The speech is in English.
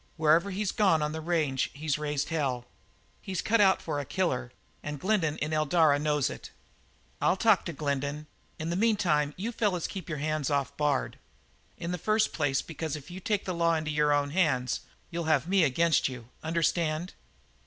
"Wherever he's gone on the range he's raised hell. He's cut out for a killer, and Glendin in Eldara knows it." "I'll talk to Glendin. In the meantime you fellows keep your hands off Bard. In the first place because if you take the law into your own hands you'll have me against you understand?"